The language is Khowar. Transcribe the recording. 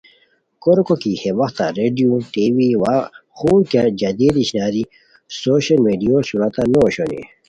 کوریکو کی ہے وختہ ریڈیو، ٹی وی وا خور کیہ جدید اشناری سوشل میڈیو صورتہ نو اوشونی